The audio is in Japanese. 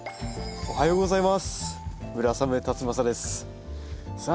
おはようございます。